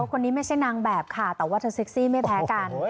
คนนี้ไม่ใช่นางแบบค่ะแต่ว่าเธอเซ็กซี่ไม่แพ้กัน